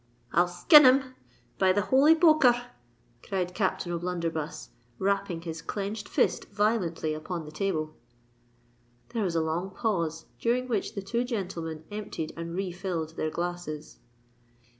"I'll skin him—by the holy poker r!" cried Captain O'Blunderbuss, rapping his clenched fist violently upon the table. There was a long pause, during which the two gentlemen emptied and refilled their glasses.